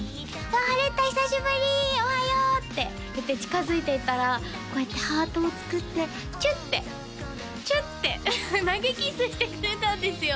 「ハレッタ久しぶりおはよう」って言って近づいていったらこうやってハートを作ってチュッてチュッて投げキッスしてくれたんですよ